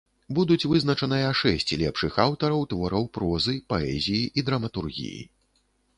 Будуць вызначаныя шэсць лепшых аўтараў твораў прозы, паэзіі і драматургіі.